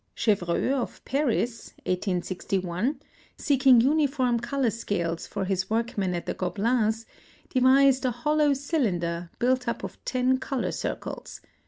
Chevreul, of Paris (1861), seeking uniform color scales for his workmen at the Gobelins, devised a hollow cylinder built up of ten color circles.